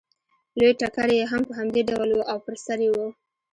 لوی ټکری یې هم په همدې ډول و او پر سر یې و